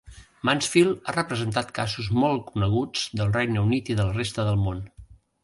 Mansfield ha representat casos molt coneguts del Regne Unit i de la resta del món.